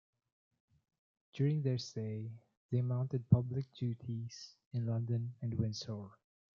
During their stay they mounted public duties in London and Windsor.